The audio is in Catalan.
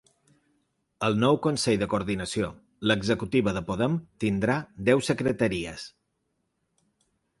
El nou consell de coordinació –l’executiva de Podem– tindrà deu secretaries.